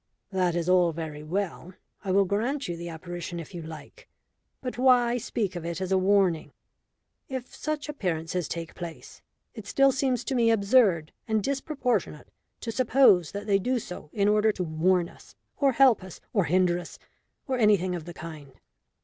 "That is all very well. I will grant you the apparition if you like. But why speak of it as a warning? If such appearances take place, it still seems to me absurd and disproportionate to suppose that they do so in order to warn us, or help us, or hinder us, or anything of the kind.